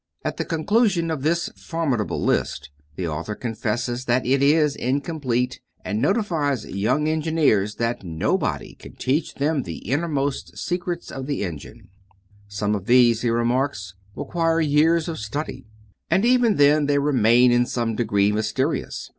At the conclusion of this formidable list, the author confesses that it is incomplete, and notifies young engineers that nobody can teach them the innermost secrets of the engine. Some of these, he remarks, require "years of study," and even then they remain in some degree mysterious.